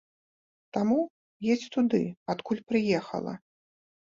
Таму, едзь туды, адкуль прыехала.